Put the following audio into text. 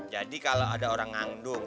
kalau ada orang ngandung